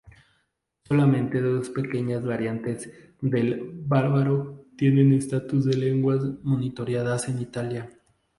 Solamente dos pequeñas variantes del bávaro tienen estatus de lenguas minoritarias en Italia.